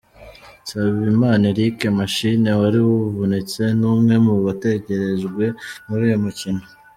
Nsabimana Eric “Machine” wari wavunitse, ni umwe mu bategerejwe muri uyu mukino.